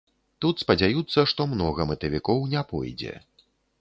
Тут спадзяюцца, што многа мэтавікоў не пойдзе.